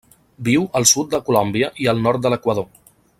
Viu al sud de Colòmbia i el nord de l'Equador.